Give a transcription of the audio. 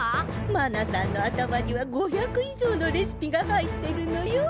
マナさんの頭には５００以上のレシピが入ってるのよ。